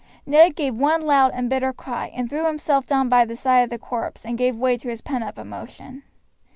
Ned gave one loud and bitter cry, and threw himself down by the side of the corpse, and gave way to his pent up emotion.